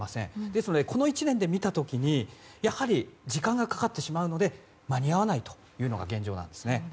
ですので、この１年で見た時にやはり時間がかかるので間に合わないというのが現状なんですね。